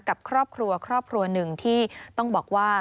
กับครอบครัวครอบครัวหนึ่งที่ต้องบอกว่า